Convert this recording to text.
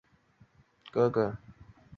翰劳还有一个名为亚历克斯的哥哥。